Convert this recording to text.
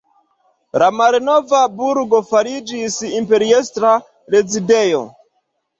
La malnova burgo fariĝis imperiestra rezidejo.